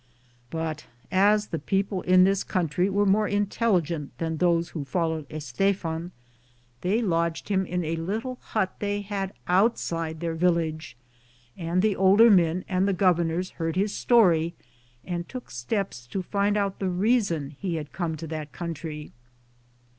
But as the people in this country were more intelligent than those who followed Stephen, they lodged him in a little hut they had outside their village, and the older men and the governors heard his story and took steps to find out the reason he had come to that country.